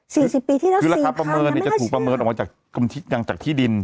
๔๐ปีที่แล้ว๔๐๐๐ยังไม่๕๐๐๐คือราคาประเมินจะถูกประเมินออกมาจากที่ดิน